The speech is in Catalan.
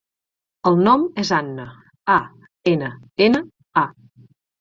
El nom és Anna: a, ena, ena, a.